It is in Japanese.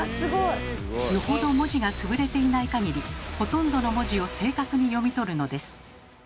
よほど文字がつぶれていないかぎりほとんどの文字を正確に読み取るのです。